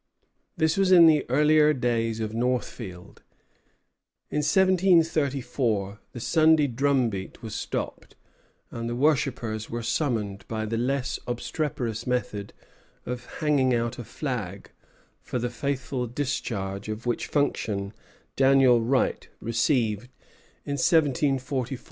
This was in the earlier days of Northfield. In 1734 the Sunday drum beat was stopped, and the worshippers were summoned by the less obstreperous method of "hanging out a flagg," for the faithful discharge of which function Daniel Wright received in 1744 one pound and five shillings.